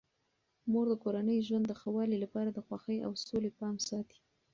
مور د کورني ژوند د ښه والي لپاره د خوښۍ او سولې پام ساتي.